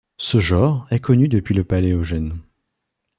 Ce genre est connu depuis le Paléogène.